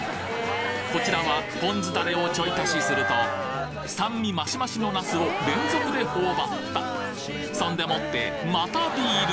こちらはポン酢ダレをちょい足しすると酸味マシマシのなすを連続で頬張ったそんでもってまたビール！